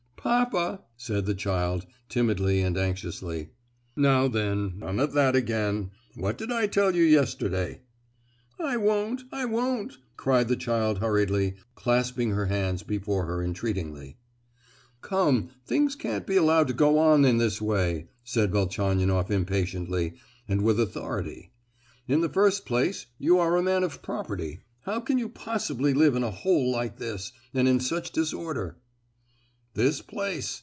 "Papa!" said the child, timidly and anxiously. "Now, then! none of that again! What did I tell you yesterday?" "I won't; I won't!" cried the child hurriedly, clasping her hands before her entreatingly. "Come! things can't be allowed to go on in this way!" said Velchaninoff impatiently, and with authority. "In the first place, you are a man of property; how can you possibly live in a hole like this, and in such disorder?" "This place!